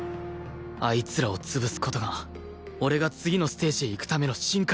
あいつらを潰す事が俺が次のステージへ行くための進化になる